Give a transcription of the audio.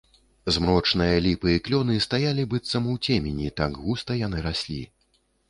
Змрочныя ліпы і клёны стаялі быццам у цемені, так густа яны раслі.